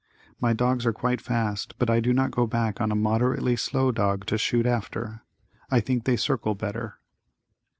My dogs are quite fast but I do not go back on a moderately slow dog to shoot after. I think they circle better.